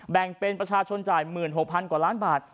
แบ่งเป็นประชาชนจ่าย๑๖๐๐กว่าล้านบาท